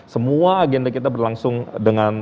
semua agenda kita berlangsung dengan